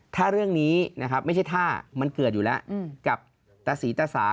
ถ้าเรื่องนี้ไม่ใช่ถ้ามันคือสิธรรมอยู่แล้วกับตสิตสาข์